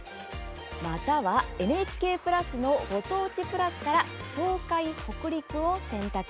または、ＮＨＫプラスのご当地プラスから東海・北陸を選択。